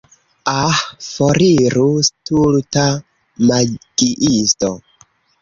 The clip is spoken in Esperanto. Ah, foriru stulta magiisto.